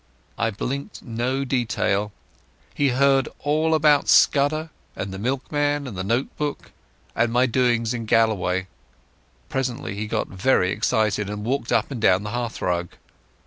I blinked no detail. He heard all about Scudder, and the milkman, and the note book, and my doings in Galloway. Presently he got very excited and walked up and down the hearthrug.